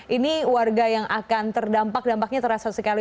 ini warga yang akan terdampak dampaknya terasa sekali